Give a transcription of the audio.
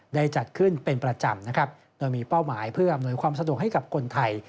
ได้จัดขึ้นเป็นประจำนะครับโดยมีเป้าหมายเพื่ออำนวยความสะดวกให้กับคนไทย